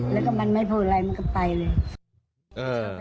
แล้วก็มันไม่พูดอะไรมันก็ไปเลย